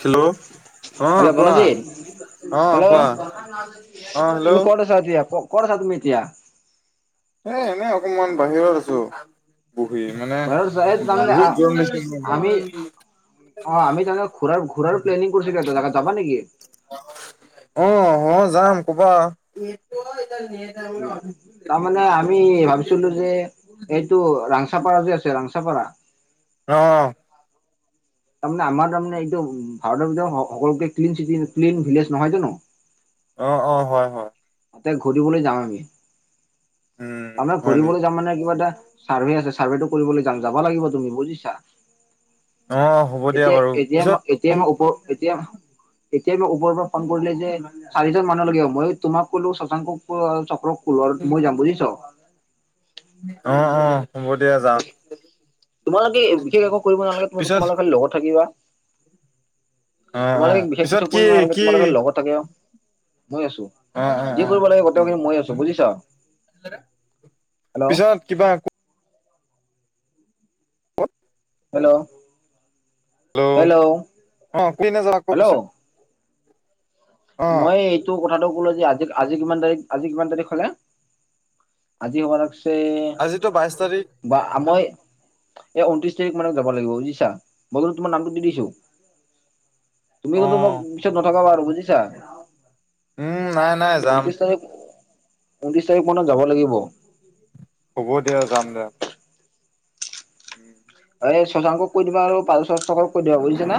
Hello অ hello কোৱা? বনজিত অ হেল্ল'? কোৱা অ তুমি হেল্ল' কত আছা এতিয়া ক ক'ত আছা তুমি এতিয়া? এ এনে অকনমান বাহিৰত আছো। বহি মানে ঘৰত আছা এই তাৰমানে বহুত গৰম আমি [unintelligible] অ আমি যাওঁতে ঘূৰাৰ ঘূৰাৰ প্লেনিং কৰিছিলো এটা জাগাত যাবা নেকি? অ অ যাম, ক'বা? [unintelligible] তাৰমানে আমি ভাবিছিলো যে এইটো ৰাংচাপাৰা যে আছে ৰাংচাপাৰা অ। তাৰমানে আমাৰ তাৰমানে এইটো ভাৰতৰ ভিতৰত স সকলোকে ক্লিন চিটি ক্লিন ভিলেজ নহয়তো নো? অ অ, হয় হয়। তাতে ঘূৰিবলৈ যাম আমি, উম তাৰমানে হয় নি ঘূৰিবলৈ যাম মানে কিবা এটা চাৰ্ভে আছে, চাৰ্ভেটো কৰিবলৈ যাম, যাব লাগিব তুমি বুজিছা? অ হ'ব দিয়া এতিয়া বাৰু এতিয়া পিছত এতিয়া মই ওপ এতিয়া, এতিয়াই মই ওপৰৰ পৰা ফোন কৰিলে যে চাৰিজন মানুহ লাগে, মই তোমাক কলো, শশাংক অ চক্ৰক কলো আৰু মই যাম বুজিছ? অ অ হ'ব দিয়া যা তোমালোকে বিশেষ একো কৰিব নালাগে তুমি পিছত তোমালোকে লগত থাকিবা। অ অ তোমালোকে বিশেষ পিছত কিছু কি কৰিব নালাগে কি তোমালোকে লগত থাকা, মই আছো। অ অ যি অ কৰিব লাগে গোটেই [unintelligible] মই আছো বুজিছা? হেল্ল'? পিছত কিবা কত? হেল্ল'? হেল্ল? অ কৈ নাযায় আকৌ পিছে। হেল্ল' মই তোৰ কথাটো কলো যে আজি আজি কিমান তাৰিখ, আজি কিমান তাৰিখ হ'লে আজি [unintelligible] আজিতো বাইশ তাৰিখ। বা মই এ ঊনত্ৰিশ তাৰিখ মানত যাব লাগিব বুজিছা? মই কিন্তু তোমাৰ নামটো দি দিছো। তুমি কিন্তু মোক অ পিছত নঠকাবা আৰু বুজিছা? উম নাই। নাই যাম ঊনত্ৰিশ তাৰিখ, ঊনত্ৰিশ তাৰিখ মানত যাব লাগিব। হ'ব দিয়া যাম দে উম আৰে সঞ্জয়হতক কৈ দিবা আৰু [unintelligible] কৈ দিবা বুইছা নে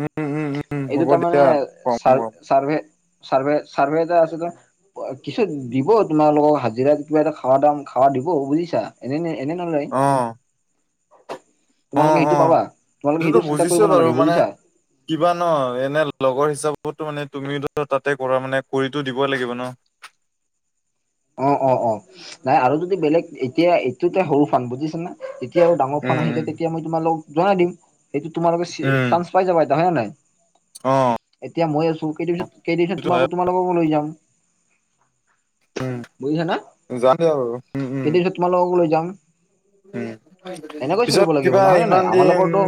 উম উম উম হ'ব তাৰমানে দিয়া কম চাৰ কম চাৰভে চাৰভে চাৰভে এটা আছে যে কিছু দিব তোমালোকক হাজিৰা কিবা এটা খাৱা দাম খাৱা দিব বুজিছা এনে এনে নলয় অ অ তোমালোকে সেইটো অ পাবা তোমালোকে সেইটো চিন্তা বুজিছো কৰিব বাৰু নালাগে মানে বুজিছা কিবা ন এনে লগৰ হিচাপতো মানে তুমি ধৰ তাতে কৰা মানে কৰিতো দিব লাগিব ন অ অ অ নাই আৰু যদি বেলেগ এতিয়া এইটো তে সৰু কাম বুজিছে নে যেতিয়া আৰু ডাঙৰ ফান আহি উম যায় তেতিয়া মই তোমালোকক জনাই দিম সেইটো তোমালোকে উম উম চান্স পাই যাবা যানা নে নাই অ এতিয়া মই আছো কেইদিন পিছত কেইদিন পিছত সেইটো তোমা হয় তোমালোককো লৈ যাম উম বুজিছা নে যাম দিয়া বাৰু উম উম কেইদিন পিছত তোমালোককো লৈ যাম উম এনেকৈ পিছত চলিব লাগিব কিবা নহয় নে নাই ইমান দিন আমালোকৰতো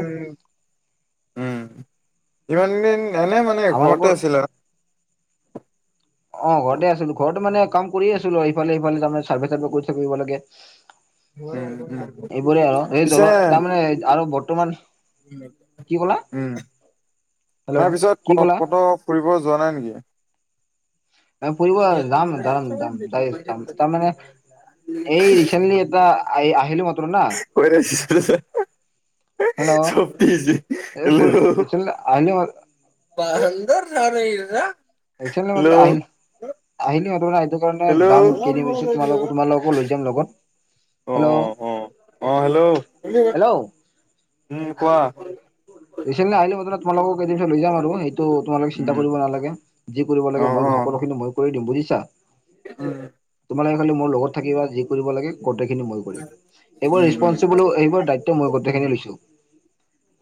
উম ইমানদিন এনে মানে ঘৰতে আমালোকৰ আছিলা অ ঘৰতে আছিলো ঘৰতে মানে কাম কৰিয়ে আছিলো আৰু ইফালে সিফালে মানে চাইডে চাইডে কৰি থাকিব লাগে উম উম এইবোৰে আৰু এই জল তাৰমানে আৰু বৰ্তমান উম কি ক'লা উম হেল্ল' কি তাৰপিছত ক ক'লা কত ফুৰিব যোৱা নাই নেকি ফুৰিব যাম যাম যাম যাই যাম তাৰমানে এই ৰিচেণ্টলি টা আহি আহিলো মাত্ হব দে শুনিছ হেল্ল' এই [unintelligible] আহিলি বাহন্দৰ ৰাণীৰ না হৈছে না নাই আহি আহিলি হব হা সেইটো হেল্ল' কাৰণে হেল্ল' যাম কেইদিন পিছত তোমালোক তোমালোককো লৈ যাম লগত অ হেল্ল' অ অ হেল্ল' হেল্ল' উম কোৱা বেছি দিন নাই আহিলি তোমালোকক কেইদিনত লৈ যাম আৰু সেইটো তোমালোকে চিন্তা উম কৰিব নালাগে যি কৰিব অ লাগে মই সকলোখিনি মই কৰি দিম বুজিছা উম তোমালোকে খালি মোৰ লগত থাকিবা যি কৰিব লাগে গোটেইখিনি মই এইবোৰ উম উম ৰেচপনচিবলি এইবোৰ দায়িত্ব মই গোটেইখিনি লৈছো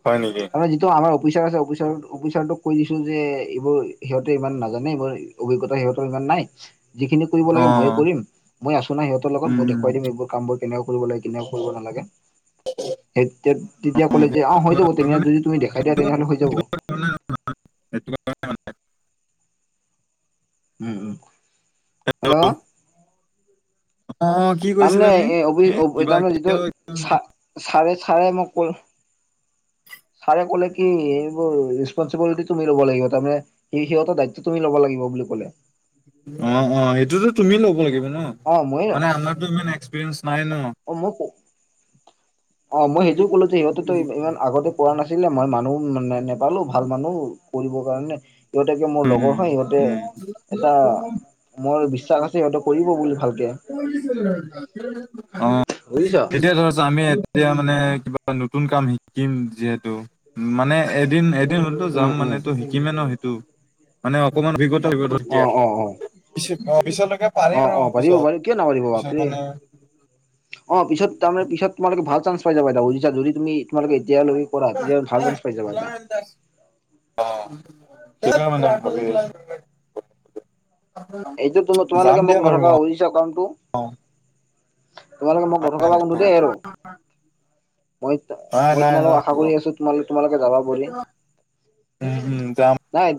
হয় নিকি আমাৰ যিটো আমাৰ অফিচাৰ আছে অফিচাৰ অফিচাৰটোক কৈ দিছোঁ যে এইবোৰ সিহঁতে ইমান নাজানে এইবাৰ অভিজ্ঞতা সিহঁতৰ ইমান নাই যিখিনি কৰিব অ লাগে মইয়ে কৰিম মই আছো না সিহতৰ লগত মই উম দেখুৱাই দিম এইবোৰ কামবোৰ কেনেকুৱা কৰিব লাগে কেনেকুৱা কৰিব নালাগে। সেত তেত তেতিয়া ক'লে উম যে অ হৈ যাব তেনে যদি তুমি দেখাই দিয়া তেনেহলে হৈ যাব [unintelligible] উম, উম হেল্ল'! অ কি তাৰমানে, কৈছিলা তুমি এ অবি অব বোৰ কিবা চা চাৰে চাৰে মোক ক ছাৰে 'কলে কি এইবোৰ ৰেচপনচিবিলিটি তুমি ল'ব লাগিব, তাৰমানে ই সিহঁতৰ দায়িত্ব তুমি ল'ব লাগিব বুলি ক'লে। অ, অ। সেইটোতো তুমি ল'ব লাগিব ন! অ মই মানে আমাৰতো ইমান এক্সপিৰিয়েঞ্চ নাই ন! অ, মোকো! অ, মই সেইটোও ক'লো যে, ইহঁতেটো ই ইমান আগতে পোৱা নাছিল। সেইবিলাক মই মানুহ নে নেপালো, ভাল মানুহ কৰিব কাৰণে। প্ৰত্যেকে মোৰ লগৰ উম, হয়। সিহঁতে উম। এটা মোৰ বিশ্বাস আছে সিহঁতে কৰিব বুলি ভালকে। [unintelligible] অ, বুজিছ এতিয়া ধৰা চোন আমি এ তিয়া মানে কিবা নতুন কাম শিকিম যিহেতু, উ মানে এদিন, এদিন টো যাম উম উম মানেটো শিকিমে ন সেইটো। মানে অকমান বেগত অ অ অ [unintelligible] পিছলৈকে অ পাৰিম আৰু অ পাৰিব পিছত। পাৰিব কিয় নাপাৰিব পিছত আপুনি মানে অ', অ, পিছত তাৰমানে, পিছত তোমালোকে ভাল চাঞ্চ পাই যাবা দাউৰিছা যদি, তুমি তোমালোকে এতিয়ালৈ [inaudible] অ [unintelligible] এইটো তুম তোমালোকে মোক বাৰু নঠগাবা‌ অ', [unintelligible] তোমালোকে মোক নঠকাবা কিন্তু দেই আৰু! মই, নাই মই নাই নাই তোমালোকক আশা কৰি আছোঁ তোমালোক তোমালোকে যাবা বুলি। উম, উম, যাম। নাই,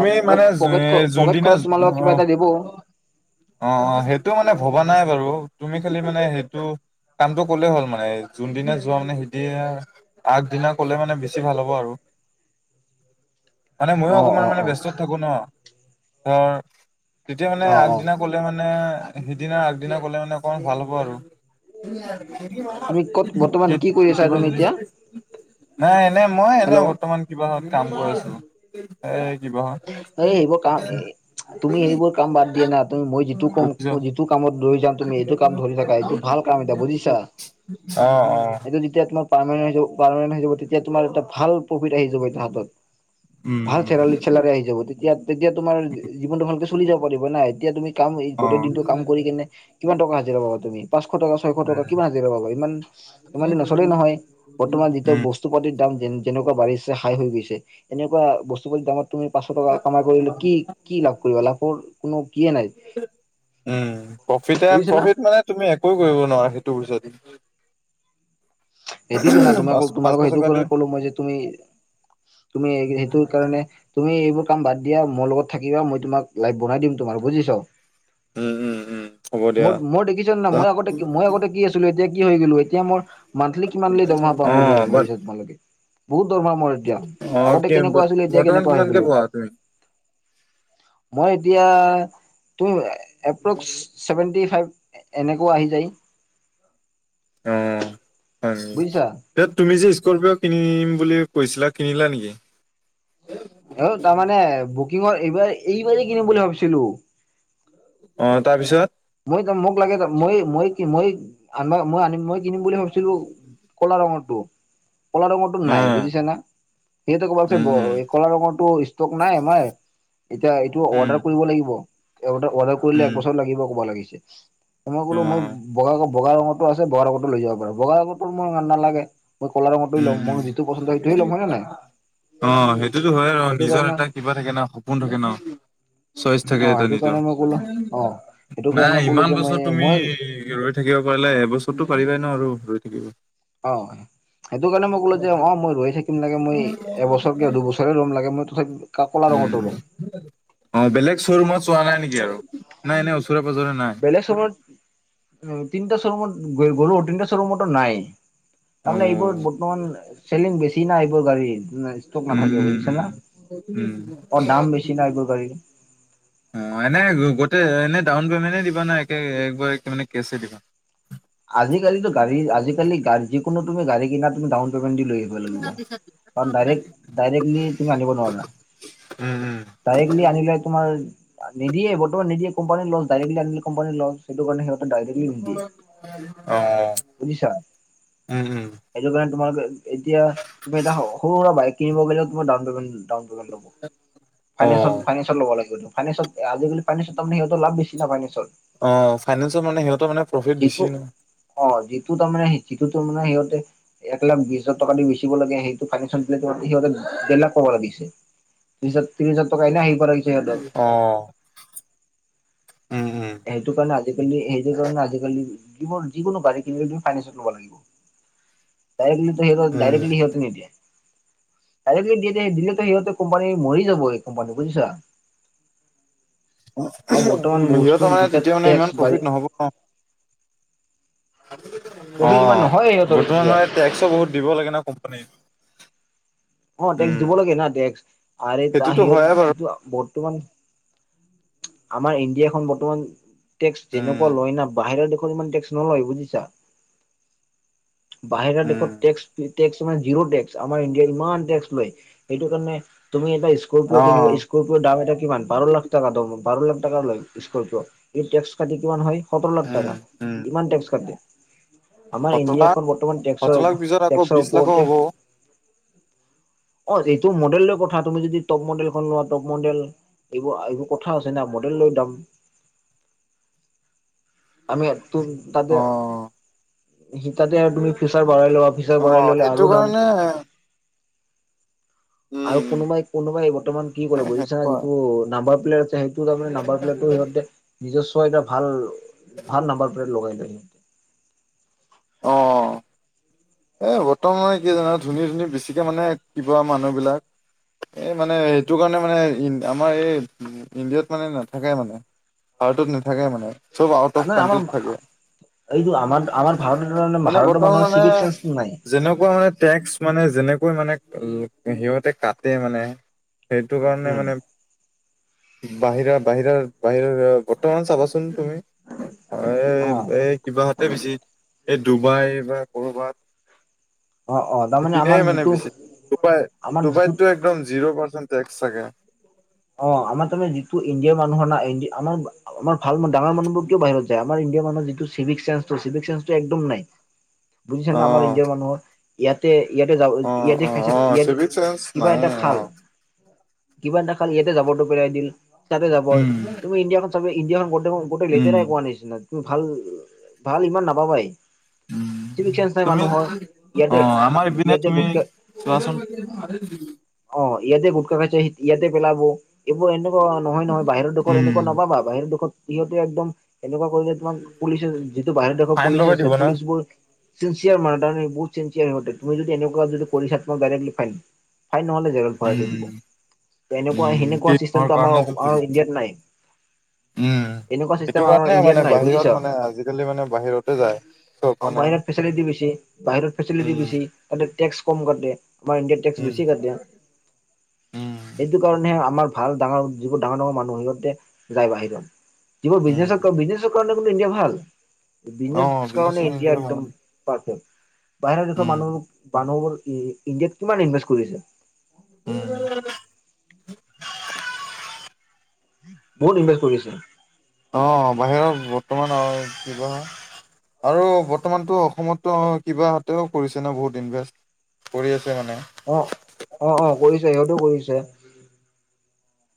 অ পকেট মানে খ জো- পকেট এ, খ পকেট যোনদিনা খৰচ অ', তোমালোকক কিবা এটা দিব। অ, অ, সেইটো মানে ভবা নাই বাৰু, তুমি খালি মানে সেইটো কামটো ক'লেই হ'ল মানে, জোনদিনা যোৱা মানে সিদিনা আগদিনা ক'লে মানে বেছি ভাল হ'ব আৰু। মানে ময়ো অ অকমান অ মানে অ ব্যস্তত থাকোঁ ন? ধৰ, তেতিয়া মানে অ অ আগদিনা ক'লে মানে সিদিনা আগদিনা ক'লে মানে অকমান ভাল হ'ব আৰু। [inaudible] তুমি ক'ত বৰ্তমান কি কৰি আছা তুমি এতিয়া নাই এনে মই, এনে হেল্ল' বৰ্তমান কিবাহত কাম কৰি আছিলোঁ, এ কিবাহত এ এইবোৰ কাম এ তুমি সেইবোৰ কাম বাদ দিয়া না, তুমি মই যিটো কম অফিচত যিটো কামত লৈ যাম, তুমি এইটো কামত ধৰি থাকা। এইটো ভাল কাম এটা বুজিছা! অ', অ', এইটো যেতিয়া তোমাক পাৰ্মানেণ্ট হৈ যাব, পাৰ্মানেণ্ট হৈ যাব তেতিয়া তোমাৰ এটা ভাল প্ৰুফিট আহি যাব এতিয়া হাতত, উম, ভাল চেলাৰী, উম। চেলাৰী আহি যাব। তেতিয়া, তেতিয়া তোমাৰ জী জীৱনটো ভালকৈ চলি যাব পাৰিব না! এতিয়া তুমি কাম ই গোটেই দিনটো কাম কৰি কেনে কিমান টকা হাজিৰা পাবা তুমি? পাঁচশ টকা, ছয়শ টকা কিমান হাজিৰা পাবা! ইমান ইমান দি উম, নচলে নহয়। বৰ্তমান যিটো বস্তু পাতিৰ দাম যেন যেনেকৈ বাঢ়িছে হাই হৈ গৈছে। তেনেকুৱা বস্তু-পাতিৰ দামত তুমি পাচঁশ টকা কামাই কৰিলে কি, কি লাভ কৰিবা? লাভৰ কোনো কিয়ে নাই? উম, প্ৰফিতে বুজিছা না প্ৰফিট মানে তুমি একো কৰিব নোৱাৰা, সেইটো পইছা দি। এইটো [unintelligible] পাঁচ তোমালোকক তোমালোকৰ পাঁচশ সেইটো টকা দি কাৰণত ক'লো মই যে তুমি তুমি এই সেইটো কাৰণে তুমি এইবোৰ কাম বাদ দিয়া, মোৰ লগত থাকিবা, মই তোমাক লাইফ বনাই দিম তোমাৰ, বুজিছ? উম, উম, উম। হ'ব দিয়া। মোৰ মই দেখিছ নাই? মই আগতে, মই আগতে কি আছিলোঁ, এতিয়া কি হৈ গ'লো। এতিয়া মোৰ মাণ্ঠলি কিমানলৈ দৰমহা পাম বুলি অ', বাট ভাবিছা তোমালোকে? বহুত দৰমহা মোৰ এতিয়া। অ', আগতে কি কেনেকুৱা আছিলোঁ, এতিয়া বৰ্তমান কেনেকুৱা হৈ কিমানকে গ'লো! পোৱা তুমি? মই এতিয়া, তোৰ এপ্ৰক্স ছেভেণ্টি ফাইভ, এনেকুৱা আহি যায়। অ', হয়। বুজিছা এ তুমি যে স্কপিঅ' কিনিম বুলি কৈছিলা, কিনিলা নেকি? অ, তাৰমানে বুকিঙৰ এইবাৰ, এইবাৰেই কিনিম বুলি ভাবিছিলোঁ। অ', তাৰপিছত? মই ত' মোক লাগে, মই, মই, মই আনিবা, মই আনিম, মই কিনিম বুলি ভাবিছিলোঁ। কলা ৰঙৰটো, কলা ৰঙৰটো নাই, অ', বুজিছে না? সিহঁতে কলে যে উম, উম, কলা ৰঙৰটো স্তক নাই আমাৰ, এতিয়া এইটো উম, অৰ্দাৰ‌ কৰিব লাগিব, এই অৰ্ডাৰ, অৰ্ডাৰ কৰিলে উম, একবছৰ লাগিব ক'ব লাগিছে, মই কলো মই অ', বগা, বগা ৰঙৰতো আছে, বগা ৰঙৰ টো লৈ যাব পাৰে, বগা ৰঙৰটো মোৰ ইমান নালাগে। মই কলা ৰঙটোৱেই উম, ল'ম, উম। মই যিটো পচন্দ হয় সেইয়েই ল'ম, হয়নে নাই? অ', সেইটোতো হয় আৰু, সেইটো নিজৰ কাৰণে এটা কিবা থাকে ন, সপোন থাকে ন। চইচ থাকে অ এটা সেইটো কাৰণে নিজৰ, মই ক'লো অ সেইটো কাৰণে নাই ক'লো যে ইমান মই বছৰ তুমি মই ৰৈ থাকিব পাৰিলে, এবছৰটো পাৰিবাই ন আৰু ৰৈ থাকিব। অ', সেইটো কাৰণে মই ক'লো যে, অ', মই ৰৈ থাকিম লাগে, মই এবছৰ কিয় দুবছৰ ৰম লাগে, মই তথাপিওঁ উম, অ', বেলেগ শ্ব'ৰুমত চোৱা নাই নেকি আৰু? নাই এনেই ওচৰে পাজৰে নাই। বেলেগ শ্বৰুমত, তিনিটা শ্বৰুমত গ'লো, তিনিটা শ্বৰুমতো নাই। তাৰমানে এইবোৰ অ' বৰ্তমান চেলিং বেছি না, এইবোৰ গাড়ীৰ। স্তক উম, নাথাকে উম, বুজিছে না, উম। উম, অ', দাম বেছি না‌ এইবোৰ গাড়ীৰ। অ', এনে গোটেই, এনে ডাউন পেমেণ্টেই দিবা নে, একে একবাৰ মানে কেছে দিবা। আজিকালিটো গাড়ী, আজিকালি যিকোনো তুমি গাড়ী কিনা, তুমি ডাউন পেমেণ দি লৈ আহিব লাগিব, কাৰণ ডাইৰেক্ট, ডাইৰেক্টলি তুমি আনিব নোৱাৰা। উম, উম, ডাইৰেক্টলি আনিলে তোমাৰ নিদিয়ে বৰ্তমান নিদিয়ে, কোম্পানীৰ লছ, ডাইৰেক্টলি আনিলে কোম্পানীৰ লছ, সেইটো কাৰণে সিহঁতে ডাইৰেক্টলি নিদিয়ে। অ'। বুজিছা? উম, উম। সেইটোকাৰণে তোমালোকে, এতিয়া তুমি এটা সৰু সুৰা বাইক কিনিব গলেও, তোমাৰ ডাউন পেমেণ্ট ডাউন পেমেণ্ট লব। অ' ফাইনেঞ্চত, ফাইনেঞ্চত ল'ব লাগিব, ফাইনেঞ্চত আজিকালি ফাইনেন্ঞ্চত তাৰমানে সিহতৰ লাভ বেছি না, ফাইনেন্ঞ্চত। অ', ফাইনেন্সত মানে সিহঁতৰ মানে প্ৰফিট যিটো বেছি না। অ', যিটো তাৰমানে, যিটো তাৰমানে সিহঁতে এক লাখ বিশ হাজাৰ টকা দি বেচিব লাগে, সেই ফাইনেন্সত দিলে সিহঁতে ডেৰ লাখ পাব লাগিছিল, বিছ হাজাৰ তিৰিশ হাজাৰ টকা এনে আহি পৰে সিহঁতৰ। অ', উম, উম। সেইটোকাৰণে আজিকালি, সেইটোকাৰণে আজিকালি যিবোৰ, যিকোনো গাড়ী কিনিলেই তুমি ফাইনেন্ঞ্চত ল'ব লাগিব। ডাইৰেক্টলি সিহঁতৰ, উম। ডাইৰেক্টলি সিহঁতে নিদিয়ে। ডাইৰেক্টলি দিলেটো সিহতে কোম্পানী মৰি যাব, কোম্পানী বুজিছা। উ উম, সিহঁতৰ মানে যেতিয়া তেতিয়া মানে, টেক্স ইমান বাঢ়ি প্ৰফিট নহ'ব। প্ৰফিট ইমান অ', নহয় সিহঁতৰ এতিয়া বৰ্তমান এই টে বহুত দিব লাগে ন কোম্পানীৰ। অ', টেক্স দিব লাগে না টেক্স, আৰে, তাৰ সেইটোতো হয়ে হেৰীয়ত বাৰু যিটো বৰ্তমান আমাৰ ইণ্ডিয়াখন বৰ্তমান, টেক্স উম, যেনেকুৱা লয় না, বাহিৰৰ দেশত ইমান টেক্স নলয়, বুজিছা? বাহিৰা উম। দেশত টেক্স, জিৰ' টেক্স, আমাৰ ইণ্ডিয়াৰ ইমান টেক্স লয়। সেইটোকাৰণে তুমি এটা স্কৰপিঅ কিনিব, অ', স্কৰপিঅৰ দাম এটা কিমান? বাৰ লাখ টকা। বাৰ লাখ টকাৰ লয় স্কৰপিঅ, এই টেক্স কাটি কিমান হয়? সোতৰ লাখ উম, টকা, উম। ইমান টেক্স কাটে। আমাৰ সতৰ লাখ, ইণ্ডিয়াখন বৰ্তমান সতৰ টেক্সৰ, লাখ পিছত আকৌ টেক্সৰ বিশ লাখো ওপৰতে। হ'ব। অ', এইটো মডেলৰ লগত কথা তুমি যদি টপ মডেল খন লোৱা টপ মডেল এইবোৰ এইবোৰ কথা আছে না মডেল লৈ দাম। আমি তম তাতে, অ', তাতে তুমি ফিউচাৰ বঢ়াই ল'ব। ফিউচাৰ বঢ়াই অ', ল'লে সেইটো আৰু দাম। কাৰণে আৰু উম, কোনোবাই-কোনোবাই বৰ্তমান কি কৰিব, বুজিছা। কোৱা। যিটো নাম্বাৰ প্লেয়াৰ আছে সেইটো- তাৰে নাম্বাৰ প্লেটো সিহঁতে, নিজস্ব এটা ভাল, ভাল নাম্বাৰ প্লেট লগাই লয় সিহঁতে। অঁহ'। এ বৰ্তমানে কি জানো ধনি-ধনি বেছিকে মানে কিবা মানুহবিলাক। এই মানে, সেইটো কাৰণে মানে আমাৰ এই, ইণ্ডিয়াত মানে নাথাকে মানে। ভাৰতত নাথাকে মানে। চব আউট অফ মানে আমাৰ কানট্ৰিত থাকে। এইটো আমাৰ আমাৰ মানে ভাৰত-ভাৰতৰ বৰ্তমান মানুহৰ মানে চিভিক চেন্স নাই। যেনেকুৱা মানে টেক্স মানে যেনেকৈ মানে, সিহঁতে কাটে মানে। সেইটো উম কাৰণে উম মানে- বাহিৰা, বাহিৰা, বাহিৰৰ বৰ্তমান চাবাচোন তুমি। অ এই এই কিবা হতে বেছি, এই ডুবাই বা ক'বাত। অ', - অ'। তাৰমানে সেইপিনে আমাৰ মানে যিটো বেছি। ডুবাই আমাৰ যিটো -ডুবাইততো একদম জিৰ' পাৰ্চেণ্ট টেক্স থাকে। অহ' আমাৰ তাৰমানে যিটো ইণ্ডিয়াৰ মানুহৰ নাই আমাৰ আমাৰ ভাল ডাঙৰ মানুহোৰ কিয় বাহিৰত যায় আমাৰ ইণ্ডিয়াৰ মানুহ যিটো চেন্ঞ্চটো চিভিক চেঞ্চটো একম নাই। বুজিছা অ নে আমাৰ ইণ্ডিয়াৰ মানুহৰ। ইয়াতে -ইয়াতে যাব অ ইয়াতে অ খাইছে অ ইয়াতে, চিভিক চেন্স কিবা নাই এটা অ খাল। কিবা এটাখালে ইয়াতে জাব যাবৰ তোৰ পেলাই দিয়ে, তাতে যাবৰ, উম তুমি ইণ্ডিয়াখন চাবা ইণ্ডিয়াখন গোটেইখন গোটেই উম লেতেৰাই কোৱা নিচিনা তুমি ভাল, ভাল ইমান নাপাবা ই। উম তুমি, অ' আমাৰ ইপিনে ইয়াতে তুমি, গুটকা চোৱাচোন। অ' ইয়াতে গুটখা খাই ইয়াতে পেলাব, এইবোৰ এনেকুৱা নহয় নহয় বাহিৰৰ দেশৰ উম এনেকুৱা নাপাবা। বাহিৰৰ দেখত সিহঁতে একদম এনেকুৱা কৰিলে তোমাৰ পুলিচে যিটো বাহিৰত দেশৰ ফাইন পুলিচ লগাই দিব আছে না পুলিচ বোৰ- চিন চিয়াৰ মাদান বহুত চিন চিয়াৰ সিহঁতে। তুমি যদি এনেকুৱা যদি কৰি থাকা দাৰেয়কৰি ফাইন। ফাই নহলে জেলত ভৰাই থৈ উম দিব। এনেকুৱা উম সেনেকুৱা কেইদিনৰ চিষ্টেমটো আমাৰ কাৰণেতো থাকিব ইণ্ডিয়াত নাই। উম', এনেকুৱা চিষ্টেম সেইটো আমাৰ কাৰণে ইণ্ডিয়াত মানে নাই বুজিছা বাহিৰত মানে আজি-কালি মানে বাহিৰতে যায়। চব অ', মানে বাহিৰত ফেচেৰেটি বেছি। বাহিৰত ফেচেৰেটি উম বেছি। সিহঁতে টেক্স কম কাটে, বা ইণ্ডিয়াত টেক্স উম বেছি কাটে। উম এইটো কাৰণেহে আমাৰ ভাল ডাঙৰ যিবোৰ ডাঙৰ ডাঙৰ মানুহ সিহঁতে যায় বাহিৰত। যিব উম বিজনে-বিজনেৰ কাৰণে কিন্তু ইণ্ডিয়া ভাল, অ বিজনেছ কাৰণে ইন ইণ্ডিয়া একদম ভাল পাৰে, বাহিৰৰ দেশৰ উম মানুহ, মানুহবোৰ ইণ্ডিয়াত কিমান ইনভেষ্ট কৰি আছে। উম। বহুত ইনভেষ্ট কৰি আছে। অ', বাহিৰত বৰ্তমান আৰু কি কয়! আৰু বৰ্তমানতো অসমতো কিবা সিহঁতেও কৰিছে ন বহুত ইনভেষ্ট। কৰি আছে মানে। অ', -অ', -অ', কৰিছে সিহঁতও কৰিছে।